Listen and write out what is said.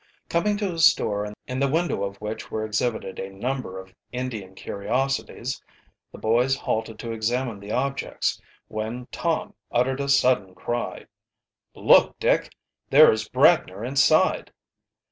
Coming to a store in the window of which were exhibited a number of Indian curiosities, the boys halted to examine the objects, when Tom uttered a sudden cry. "Look, Dick! There is Bradner inside!"